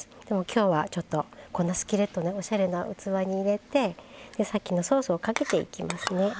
でも今日はちょっとこのスキレットねおしゃれな器に入れてさっきのソースをかけていきますね。